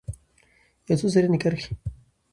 یو څو رزیني کرښې